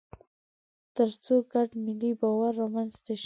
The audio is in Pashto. تر څو ګډ ملي باور رامنځته شي.